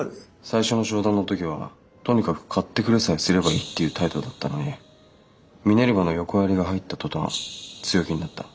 最初の商談の時はとにかく買ってくれさえすればいいっていう態度だったのにミネルヴァの横やりが入った途端強気になった。